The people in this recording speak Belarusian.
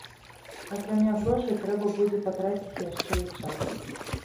Акрамя грошай, трэба будзе патраціць яшчэ і час.